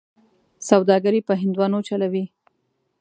سوداګري په هندوانو چلوي.